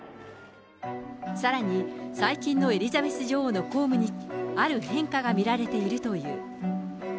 さらに最近のエリザベス女王の公務に、ある変化が見られているという。